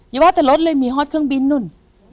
อย่าว่าแต่รถเลยมีฮอตเครื่องบินนู่น